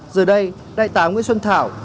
giờ đây đại tá nguyễn xuân thảo